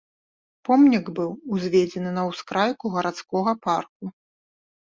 Помнік быў узведзены на ўскрайку гарадскога парку.